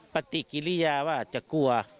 ปฏิกิริยาว่าจะกลัว